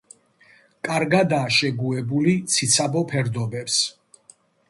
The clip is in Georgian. კარგადაა შეგუებული ციცაბო ფერდობებს.